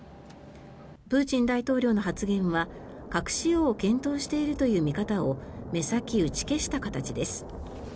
プーチン大統領の発言は核使用を検討しているという見方を目先打ち消した形です。